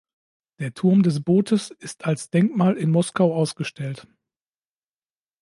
Der Turm des Bootes ist als Denkmal in Moskau ausgestellt.